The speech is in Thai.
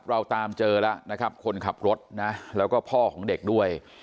เราตามเจอแล้วนะครับคนขับรถนะแล้วก็พ่อของเด็กด้วย